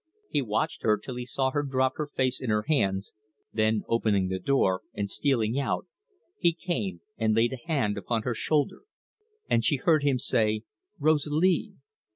He watched her till he saw her drop her face in her hands; then, opening the door and stealing out, he came and laid a hand upon her shoulder, and she heard him say: "Rosalie!"